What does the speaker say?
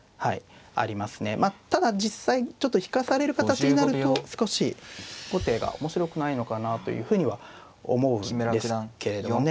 ただ実際ちょっと引かされる形になると少し後手が面白くないのかなというふうには思うんですけれどもね。